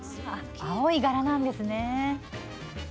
青い柄なんですね。